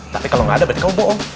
tapi kalau nggak ada berarti kamu bohong